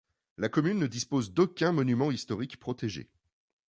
La commune ne dispose d’aucun monument historique protégé.